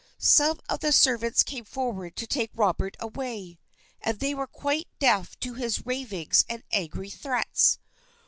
Some of the servants came forward to take Robert away, and they were quite deaf to his ravings and angry threats.